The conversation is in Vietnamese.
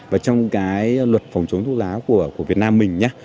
và trong cái luật phòng chống thuốc lá của việt nam mình nhé